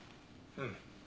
うん。